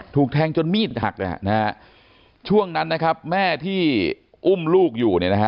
ถูกแทงจนมีดหักนะฮะช่วงนั้นนะครับแม่ที่อุ้มลูกอยู่เนี่ยนะฮะ